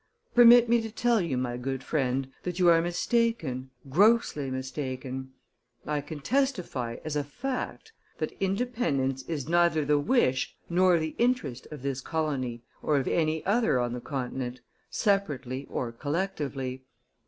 Permit me to tell you, my good friend, that you are mistaken, grossly mistaken. ... I can testify, as a fact, that independence is neither the wish nor the interest of this colony or of any other on the continent, separately or collectively.